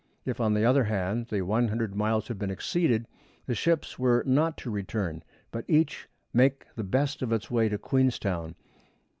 If, on the other hand, the 100 miles had been exceeded, the ships were not to return, but each make the best of its way to Queenstown.